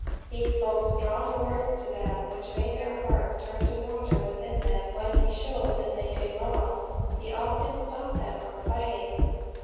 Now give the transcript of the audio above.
He spoke strong words to them which made their hearts turn to water within them when he showed that they did wrong. He often stopped them from fighting.